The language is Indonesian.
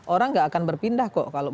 orang nggak akan berpindah kok